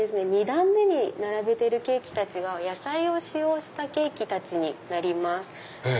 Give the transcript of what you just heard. ２段目に並べてるケーキたちが野菜を使用したケーキたちになります。